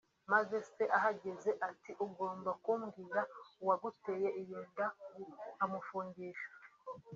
Maze se ahageze ati “Ugomba kumbwira uwaguteye iyo nda nkamufungisha